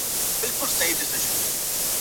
د زمان هري شېبې ته انتها سته ,